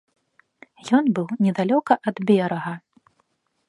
Ён быў недалёка ад берага.